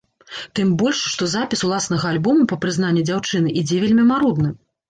Тым больш, што запіс уласнага альбома, па прызнанні дзяўчыны, ідзе вельмі марудна.